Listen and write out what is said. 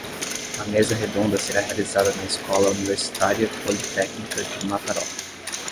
A mesa redonda será realizada na Escola Universitária Politécnica de Mataró.